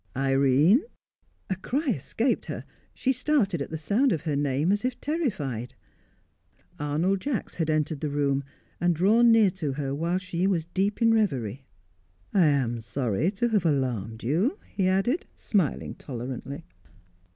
"Irene " A cry escaped her; she started at the sound of her name as if terrified. Arnold Jacks had entered the room, and drawn near to her, whilst she was deep in reverie. "I am sorry to have alarmed you," he added, smiling tolerantly.